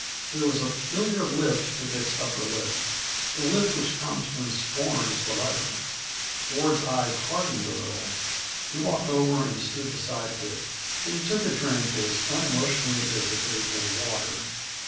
There was a peculiar lift to Dick's upper lip the lift which comes when scorn is the lever. Ford's eyes hardened a little; he walked over and stood beside Dick, and he took a drink as unemotionally as if it had been water.